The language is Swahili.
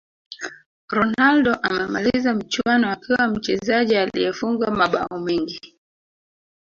ronaldo amemaliza michuano akiwa mchezaji aliyefunga mabao mengi